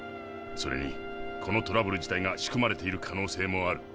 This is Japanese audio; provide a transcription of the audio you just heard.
それにこのトラブル自体が仕組まれている可能性もある。